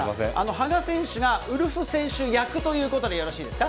羽賀選手がウルフ選手役ということでよろしいですか。